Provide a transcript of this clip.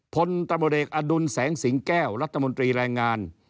พลตำรวจเอกอดุลแสงสิงแก้วรัฐมนตรีแรงงาน